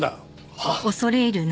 はっ。